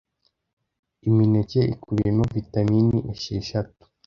Imineke ikubiyemo vitamini esheshatu